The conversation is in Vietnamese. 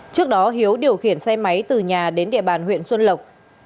trước đó hiếu điều khiển xe máy từ nhà đến địa bàn huyện xuân lộc